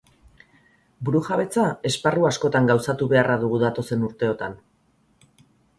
Burujabetza esparru askotan gauzatu beharra dugu datozen urteotan.